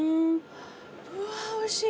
うわおいしい。